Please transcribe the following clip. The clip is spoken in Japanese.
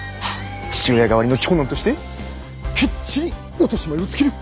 父親代わりの長男としてきっちり落とし前をつける。